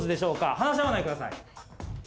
話し合わないでください。